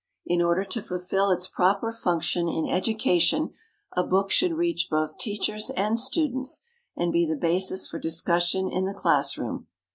In order to fulfil its proper function in education a book should reach both teachers and students and be the basis for discussion in the class room.